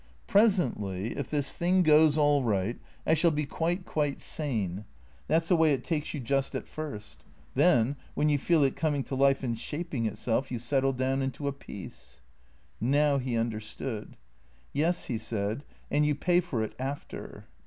" Presently, if this thing goes all right, I shall be quite, quite sane. That's the way it takes you just at first. Then, when you feel it coming to life and shaping itself, you settle down into a peace." JSTow he understood. " Yes," he said, " and you pay for it after."